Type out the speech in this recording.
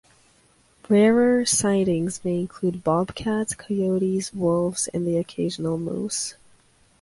Rarer sightings may include bobcats, coyotes, wolves, and the occasional moose.